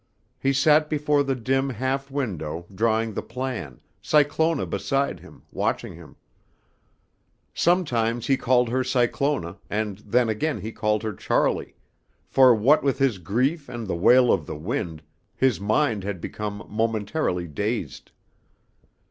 He sat before the dim half window, drawing the plan, Cyclona beside him, watching him. Sometimes he called her Cyclona, and then again he called her Charlie; for what with his grief and the wail of the wind, his mind had become momentarily dazed.